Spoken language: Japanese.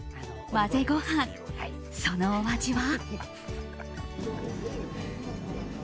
混ぜご飯、そのお味は？